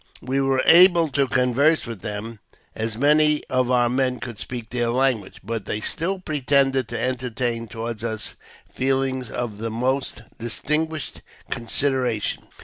We were able to con verse with them, as many of our men could speak their language; but they still pretended to entertain towards us feelings of the " most distinguished consideration."